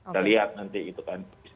saya lihat nanti gitu kan